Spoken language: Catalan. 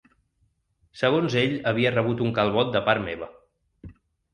Segons ell havia rebut un calbot de part meva.